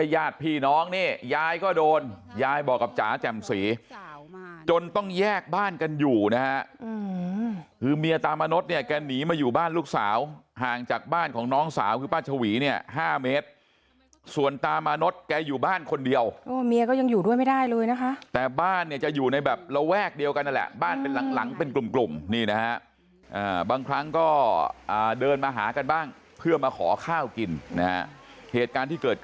ยายก็โดนยายบอกกับจ๋าแจ่มสีจนต้องแยกบ้านกันอยู่นะฮะคือเมียตามมนุษย์เนี่ยแกหนีมาอยู่บ้านลูกสาวห่างจากบ้านของน้องสาวคือป้าชวีเนี่ย๕เมตรส่วนตามมนุษย์แกอยู่บ้านคนเดียวเมียก็ยังอยู่ด้วยไม่ได้เลยนะคะแต่บ้านเนี่ยจะอยู่ในแบบระแวกเดียวกันแหละบ้านเป็นหลังเป็นกลุ่มนี่นะฮะบางครั้ง